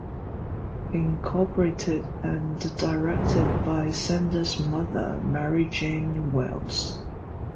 Incorporated and directed by Sander's mother, Mary Jane Wells.